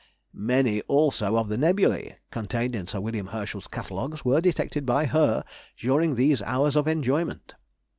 Many also of the nebulæ contained in Sir W. Herschel's catalogues were detected by her during these hours of enjoyment.